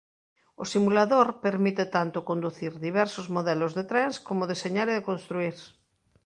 O simulador permite tanto conducir diversos modelos de trens como deseñar e construír.